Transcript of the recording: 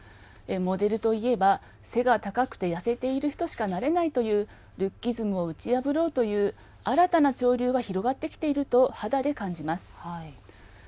モデルといえば背が高くて痩せている人しかなれないというルッキズムを打ち破ろうという新たな潮流が広がってきていると肌で感じます。